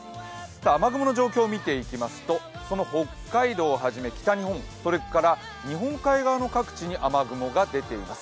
雨雲の状況を見ていきますと、その北海道をはじめ北日本、それから日本海側の各地に雨雲が出ています。